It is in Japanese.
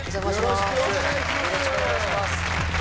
よろしくお願いします